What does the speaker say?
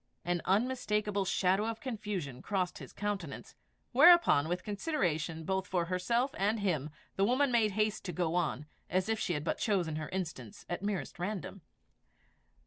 An unmistakable shadow of confusion crossed his countenance; whereupon with consideration both for herself and him, the woman made haste to go on, as if she had but chosen her instance at merest random.